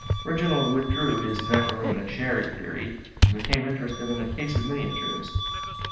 Reginald withdrew his macaroon and sherry theory, and became interested in a case of miniatures.